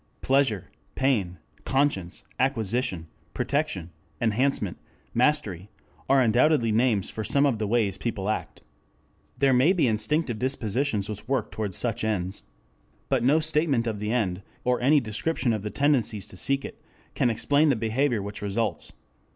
Pleasure, pain, conscience, acquisition, protection, enhancement, mastery, are undoubtedly names for some of the ways people act. There may be instinctive dispositions which work toward such ends. But no statement of the end, or any description of the tendencies to seek it, can explain the behavior which results.